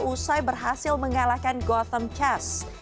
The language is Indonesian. usai berhasil mengalahkan gotham chess